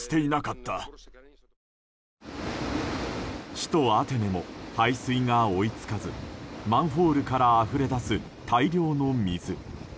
首都アテネも排水が追い付かずマンホールからあふれ出す大量の水。